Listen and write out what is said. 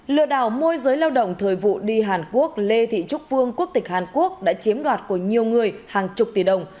lừa đảo môi giới lao động thời vụ đi hàn quốc lê thị trúc vương quốc tịch hàn quốc đã chiếm đoạt của nhiều người hàng chục tỷ đồng